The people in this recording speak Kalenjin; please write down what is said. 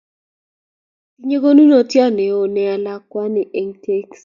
Tinye konunot neo nea lalwani eng' tyenset.